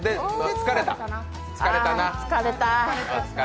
疲れたよ。